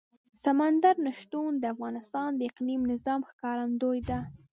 سمندر نه شتون د افغانستان د اقلیمي نظام ښکارندوی ده.